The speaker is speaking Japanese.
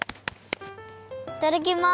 いただきます。